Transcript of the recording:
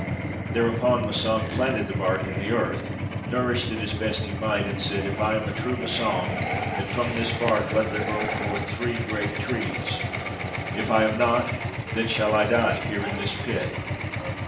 Thereupon Massang planted the bark in the earth, nourished it as best he might, and said, 'If I am a true Massang, then from this bark let there grow forth three great trees. If I am not, then shall I die here in this pit.'